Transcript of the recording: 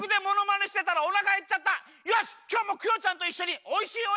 よしきょうもクヨちゃんといっしょにおいしいおやつつくっちゃおう！